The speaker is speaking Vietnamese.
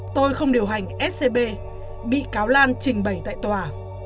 tôi không điều hành scb bị cáo lan trình bày tại tòa